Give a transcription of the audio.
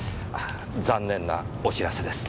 残念なお知らせです。